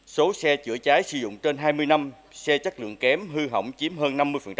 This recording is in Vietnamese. số xe chữa cháy sử dụng trên hai mươi năm xe chất lượng kém hư hỏng chiếm hơn năm mươi